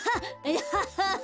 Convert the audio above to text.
アハハハ！